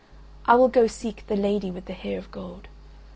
I will go seek the Lady with the Hair of Gold.